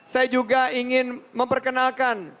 saya juga ingin memperkenalkan